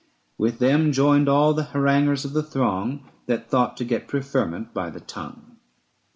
With them joined all the haranguers of the throng That thought to get preferment by the tongue.